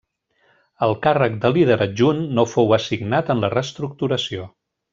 El càrrec de líder adjunt no fou assignat en la reestructuració.